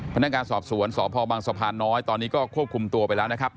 พนักงานสอบสวนสพบังสะพานน้อยตอนนี้ก็ควบคุมตัวไปแล้วนะครับ